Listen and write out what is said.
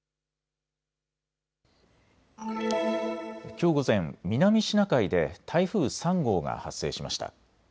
きょう午前、南シナ海で台風３号が発生しました。